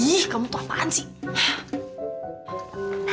ih kamu tau apaan sih